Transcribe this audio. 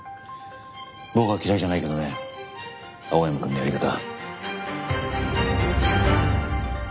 僕は嫌いじゃないけどね青山くんのやり方。